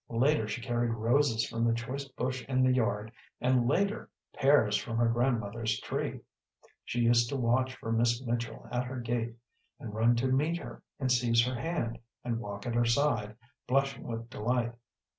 Later she carried roses from the choice bush in the yard, and, later, pears from her grandmother's tree. She used to watch for Miss Mitchell at her gate and run to meet her, and seize her hand and walk at her side, blushing with delight.